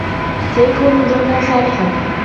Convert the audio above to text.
سيكون زوجا صالحا.